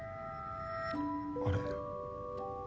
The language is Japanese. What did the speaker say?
あれ？